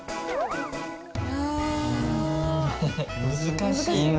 難しいね。